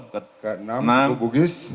keenam suku bugis